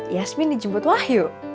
yasmin dijemput wahyu